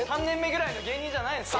３年目ぐらいじゃない？